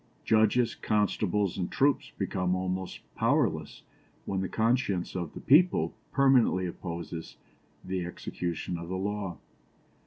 Judges, constables, and troops become almost powerless when the conscience of the people permanently opposes the execution of the law.